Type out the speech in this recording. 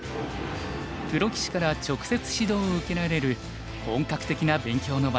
プロ棋士から直接指導を受けられる本格的な勉強の場です。